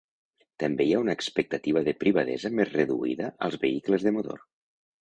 També hi ha una expectativa de privadesa més reduïda als vehicles de motor.